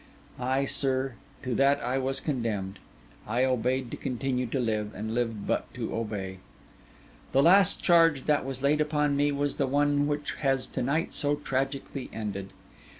Ay, sir, to that I was condemned; I obeyed to continue to live, and lived but to obey. 'The last charge that was laid upon me was the one which has to night so tragically ended.